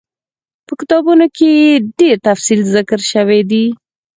په کتابونو کي ئي ډير تفصيل ذکر شوی دی